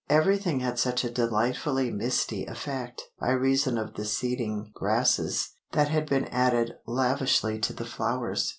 Everything had such a delightfully "misty" effect, by reason of the seeding grasses that had been added lavishly to the flowers.